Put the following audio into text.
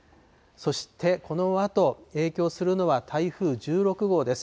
そしてこのあと、影響するのは台風１６号です。